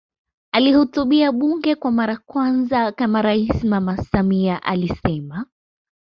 Akilihutubia bunge kwa mara kwanza kama rais Mama Samia alisema